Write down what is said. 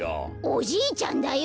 おじいちゃんだよ！